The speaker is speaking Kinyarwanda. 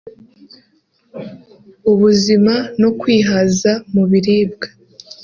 ubuzima no kwihaza mu biribwa